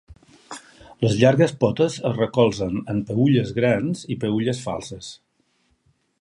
Les llargues potes es recolzen en peülles grans i peülles falses.